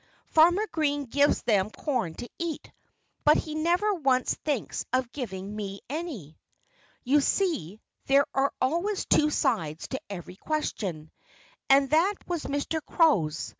Farmer Green gives them corn to eat. But he never once thinks of giving me any." You see, there are always two sides to every question. And that was Mr. Crow's.